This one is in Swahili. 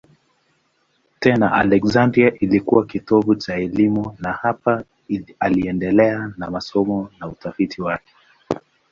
Tena Aleksandria ilikuwa kitovu cha elimu na hapa aliendelea na masomo na utafiti wake.